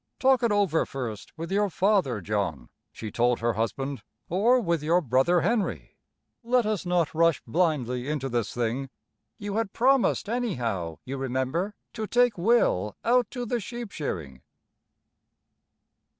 "Talk it over first with your father, John," she told her husband, "or with your brother Henry. Let us not rush blindly into this thing. You had promised anyhow, you remember, to take Will out to the sheep shearing."